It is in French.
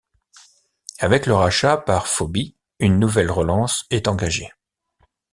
Avec le rachat par Fobbi, une nouvelle relance est engagée.